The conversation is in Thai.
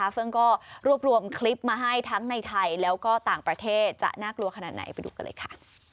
ซึ่งก็รวบรวมคลิปมาให้ทั้งในไทยแล้วก็ต่างประเทศจะน่ากลัวขนาดไหนไปดูกันเลยค่ะ